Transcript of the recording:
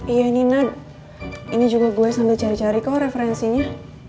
iya nina ini juga gue sambil cari cari kok referensinya